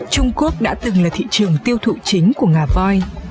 trung quốc đã từng là thị trường tiêu thụ chính của ngà voi